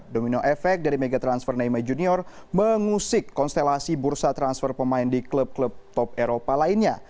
domino efek dari mega transfer nama junior mengusik konstelasi bursa transfer pemain di klub klub top eropa lainnya